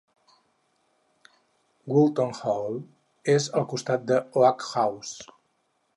Woolton Hall és al costat d'Oak House.